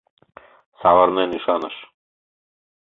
Савырнен ÿшаныш.